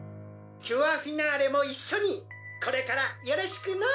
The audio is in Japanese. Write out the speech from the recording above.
「キュアフィナーレも一緒にこれからよろしくの！」